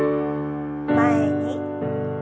前に。